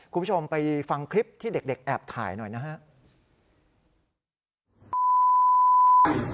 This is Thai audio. คุณผู้ชมไปฟังคลิปที่เด็กแอบถ่ายหน่อยนะครับ